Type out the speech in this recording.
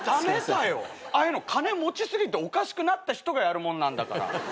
ああいうの金持ちすぎておかしくなった人がやるもんなんだから。